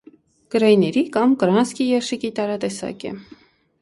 Կրայների կամ կրանսկի երշիկի տարատեսակ է։